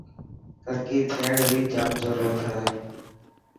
ترقي ٿيڻ ري جام ضرورت هي.